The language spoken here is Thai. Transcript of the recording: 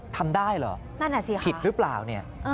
ทำได้หรอผิดหรือเปล่าเนี่ย